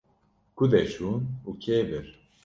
Ku de çûn û kê bir?